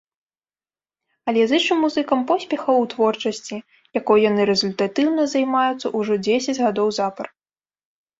Але зычым музыкам поспехаў у творчасці, якой яны рэзультатыўна займаюцца ўжо дзесяць гадоў запар.